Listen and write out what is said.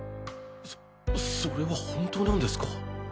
そそれは本当なんですか？